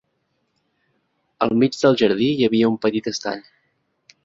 Al mig del jardí hi havia un petit estany.